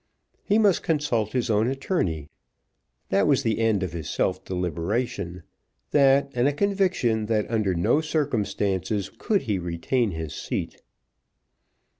He must consult his own attorney. That was the end of his self deliberation, that, and a conviction that under no circumstances could he retain his seat.